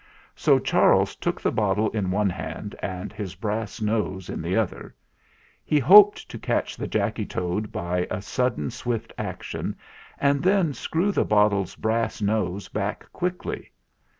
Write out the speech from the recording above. So Charles took the bottle in one hand and his brass nose in the other. He hoped to catch the Jacky toad by a sudden swift action, and then screw the bottle's brass nose back quickly.